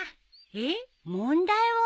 えっ問題を？